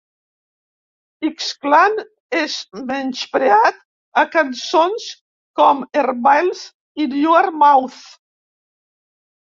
X-Clan és menyspreat a cançons com Herbalz in Your Mouth.